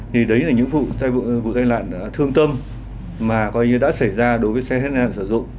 thì đấy là những vụ tai nạn